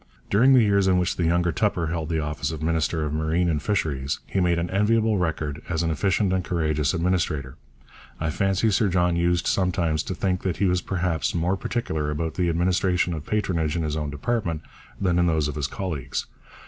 During the years in which the younger Tupper held the office of minister of Marine and Fisheries he made an enviable record as an efficient and courageous administrator. I fancy Sir John used sometimes to think that he was perhaps more particular about the administration of patronage in his own department than in those of his colleagues.